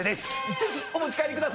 ぜひお持ち帰りくださーい。